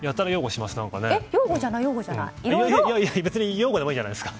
擁護でもいいじゃないですか。